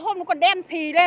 hôm nay cái anh về còn sạch đấy